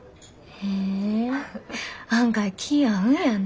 へえ案外気ぃ合うんやなぁ。